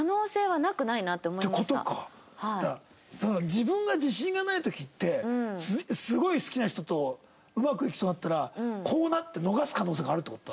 自分が自信がない時ってすごい好きな人とうまくいきそうになったらこうなって逃す可能性があるって事なんだ？